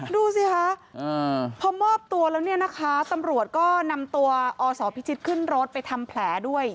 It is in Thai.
ดูสิคะพอมอบตัวแล้วเนี่ยนะคะตำรวจก็นำตัวอศพิชิตขึ้นรถไปทำแผลด้วย